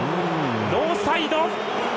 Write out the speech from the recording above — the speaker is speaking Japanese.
ノーサイド。